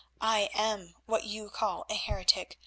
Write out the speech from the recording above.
I am what you call a heretic.